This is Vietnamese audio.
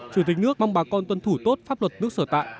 chủ tịch nước mong bà con tuân thủ tốt pháp luật nước sở tại